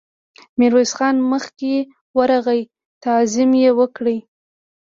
ميرويس خان مخکې ورغی، تعظيم يې وکړ.